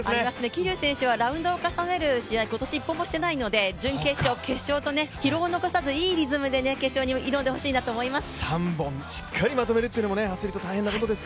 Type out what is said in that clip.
桐生選手はラウンドを重ねる試合今年１本もしていないので準決勝、決勝と疲労を残さず、いいリズムで決勝に挑んでほしいと思います。